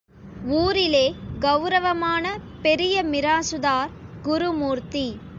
ஊரிலே கௌரவமான பெரிய மிராசுதார் குருமூர்த்தி.